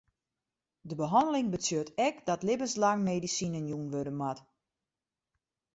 De behanneling betsjut ek dat libbenslang medisinen jûn wurde moatte.